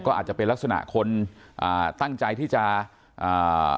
ก็อาจจะเป็นลักษณะคนอ่าตั้งใจที่จะอ่า